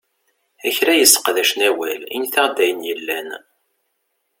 A kra yesseqdacen awal, init-aɣ-d ayen yellan!